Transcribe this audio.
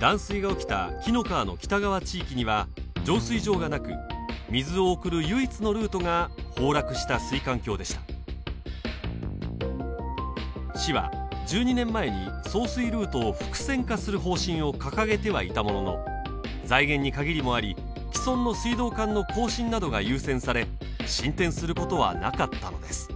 断水が起きた紀の川の北側地域には浄水場がなく水を送る唯一のルートが崩落した水管橋でした市は１２年前に送水ルートを複線化する方針を掲げてはいたものの財源に限りもあり既存の水道管の更新などが優先され進展することはなかったのです